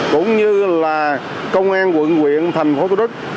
cũng như là công an quận quyện thành phố thủ đức